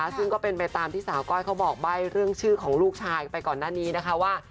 ซึ่งก็เป็นไปตามที่สาวก้อยเขาบอกใบ้เรื่องชื่อของลูกชายไปก่อนหน้านี้นะคะว่า